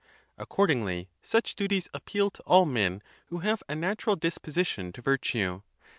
Accordingly, such duties appeal to all men who have a natural disposition to virtue.